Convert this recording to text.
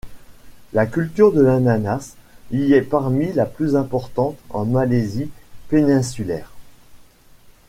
La culture de l’ananas y est parmi la plus importante en Malaisie péninsulaire.